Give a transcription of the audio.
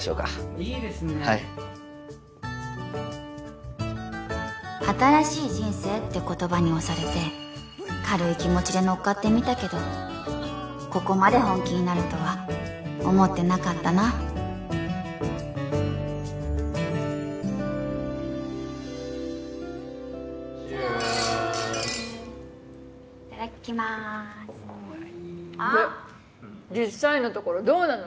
いいですねはい新しい人生って言葉に押されて軽い気持ちで乗っかってみたけどここまで本気になるとは思ってなかったなチアーズいただきまーすで実際のところどうなの？